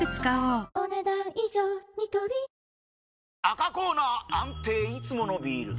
赤コーナー安定いつものビール！